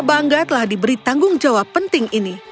dia merasa bangga telah diberi tanggung jawab penting ini